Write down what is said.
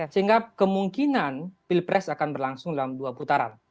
sehingga kemungkinan pilpres akan berlangsung dalam dua putaran